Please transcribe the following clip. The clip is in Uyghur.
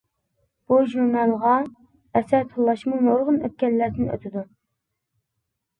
بۇ ژۇرنالغا ئەسەر تاللاشمۇ نۇرغۇن ئۆتكەللەردىن ئۆتىدۇ.